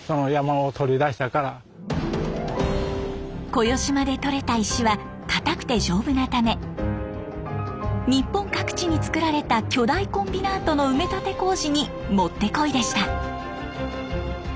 小与島で採れた石は硬くて丈夫なため日本各地に造られた巨大コンビナートの埋め立て工事にもってこいでした。